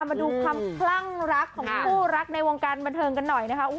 มาดูความคลั่งรักของคู่รักในวงการบันเทิงกันหน่อยนะคะ